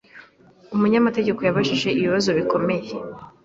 Umunyamategeko yabajije ibibazo bikomeye.